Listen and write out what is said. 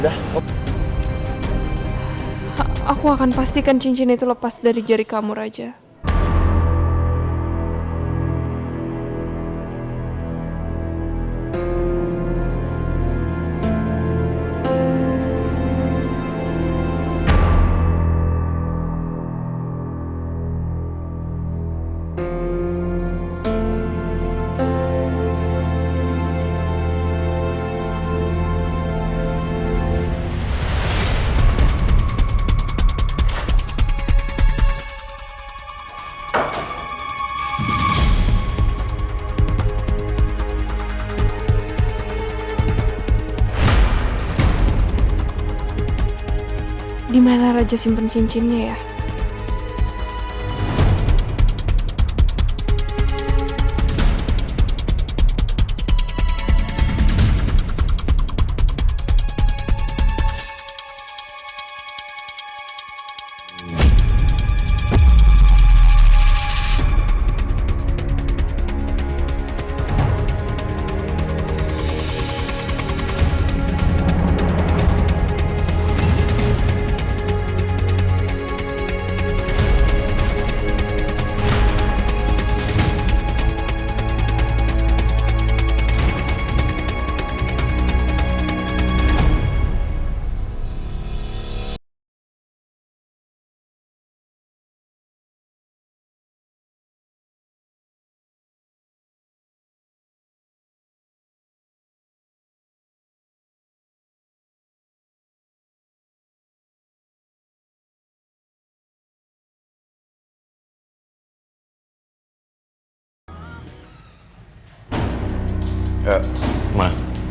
dan memperbaiki suatu jurulatih yang sama denganmu dengan pernicipannya